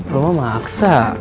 lo mah maksa